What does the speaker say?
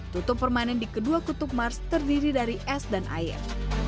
tutup permanen di kedua ketuk mars terdiri dari es dan air